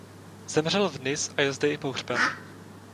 Zemřel v Nice a je zde i pohřben.